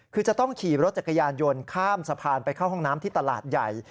คือจะต้องขี่รถจักรยานยนต์ข้ามสะพานไปเข้าห้องน้ำที่ตลาดใหญ่